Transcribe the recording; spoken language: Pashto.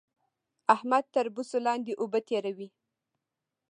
احمد تر بوسو لاندې اوبه تېروي